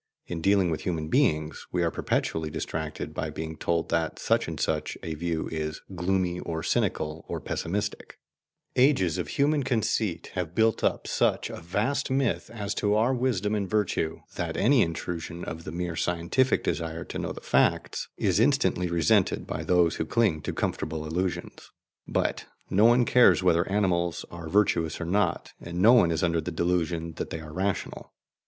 In dealing with human beings, we are perpetually distracted by being told that such and such a view is gloomy or cynical or pessimistic: ages of human conceit have built up such a vast myth as to our wisdom and virtue that any intrusion of the mere scientific desire to know the facts is instantly resented by those who cling to comfortable illusions. But no one cares whether animals are virtuous or not, and no one is under the delusion that they are rational.